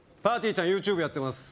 ちゃんＹｏｕＴｕｂｅやってます